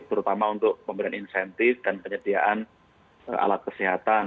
terutama untuk pemberian insentif dan penyediaan alat kesehatan